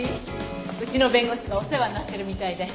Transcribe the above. うちの弁護士がお世話になってるみたいで。